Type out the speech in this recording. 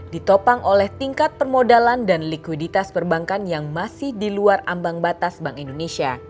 ditopang oleh tingkat permodalan dan likuiditas perbankan yang masih di luar ambang batas bank indonesia